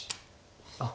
あっ。